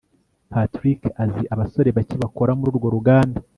patrick azi abasore bake bakora mururwo ruganda